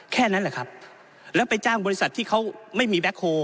แค่นั้นแหละครับแล้วไปจ้างบริษัทที่เขาไม่มีแบ็คโฮล